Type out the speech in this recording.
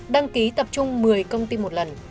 đăng ký tập trung một mươi công ty một lần